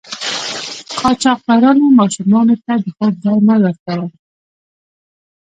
قاچاقبرانو ماشومانو ته د خوب درمل ورکول.